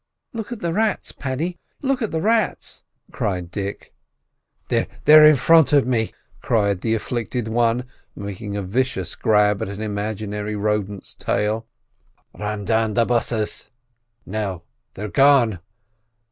"Look at the rats, Paddy! look at the rats!" cried Dick. "They're in front of me!" cried the afflicted one, making a vicious grab at an imaginary rodent's tail. "Ran dan the bastes!—now they're gone.